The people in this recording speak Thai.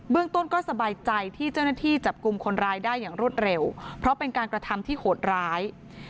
เรื่องต้นก็สบายใจที่เจ้าหน้าที่จับกลุ่มคนร้ายได้อย่างรวดเร็วเพราะเป็นการกระทำที่โหดร้าย